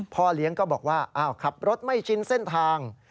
พ่อเลี้ยงก็บอกว่าอ้าวขับรถไม่ชินเส้นทาง